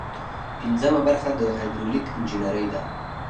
پنځمه برخه د هایدرولیک انجنیری ده.